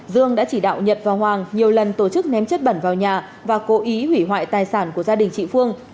dương đã chỉ đạo nhật và hoàng nhiều lần tổ chức ném chất bẩn vào nhà và cố ý hủy hoại tài sản của gia đình chị phương